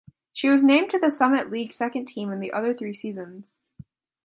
She was named to the Summit League Second Team in the other three seasons.